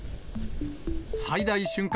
最大瞬間